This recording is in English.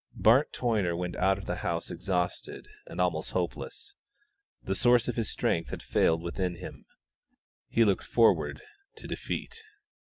Bart Toyner went out of the house exhausted and almost hopeless. The source of his strength had failed within him. He looked forward to defeat.